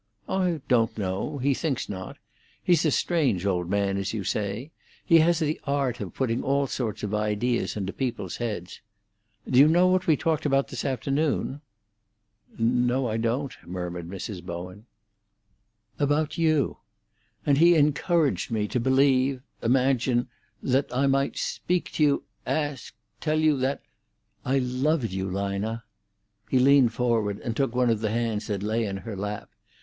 "I don't know. He thinks not. He's a strange old man, as you say. He has the art of putting all sorts of ideas into people's heads. Do you know what we talked about this afternoon?" "No, I don't," murmured Mrs. Bowen. "About you. And he encouraged me to believe—imagine—that I might speak to you—ask—tell you that—I loved you, Lina." He leaned forward and took one of the hands that lay in her lap.